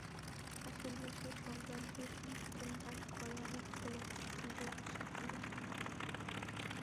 আশ্বিন মাসের সংক্রান্তির দিন নতুন ধান ঘরে আনার উপলক্ষে জিহুড় উৎসব পালিত হয়ে থাকে।